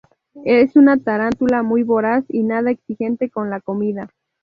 Es una tarántula muy voraz y nada exigente con la comida.